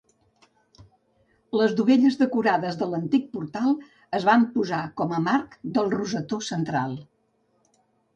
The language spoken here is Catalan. Les dovelles decorades de l'antic portal es van posar com a marc del rosetó central.